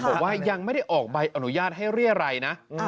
บอกว่ายังไม่ได้ออกใบอนุญาตให้เรียรัยนะ